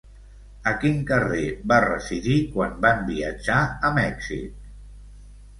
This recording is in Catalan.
A quin carrer van residir quan van viatjar a Mèxic?